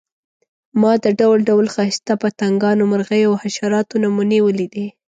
ما د ډول ډول ښایسته پتنګانو، مرغیو او حشراتو نمونې ولیدې.